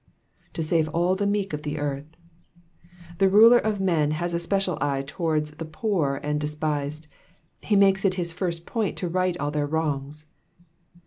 ^''To save all the meek of the earth.'''' The Ruler of men has a special eye towards the poor and despised ; he makes it his first point to right all their wrongs.